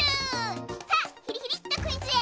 さあヒリヒリッとクイズへ！